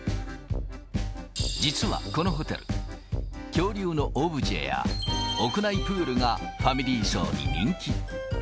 実はこのホテル、恐竜のオブジェや、屋内プールがファミリー層に人気。